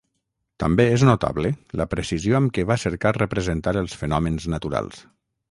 També és notable la precisió amb què va cercar representar els fenòmens naturals.